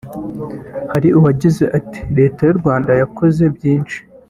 Hari uwagize ati ”Leta y’u Rwanda yakoze byinshi